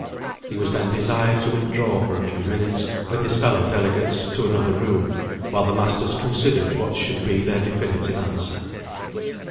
He was then desired to withdraw for a few minutes, with his fellow delegates, to another room, while the masters considered what should be their definitive answer.